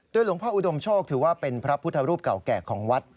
หลวงพ่ออุดมโชคถือว่าเป็นพระพุทธรูปเก่าแก่ของวัด